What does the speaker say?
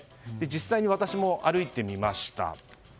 実際に私も歩いてみました。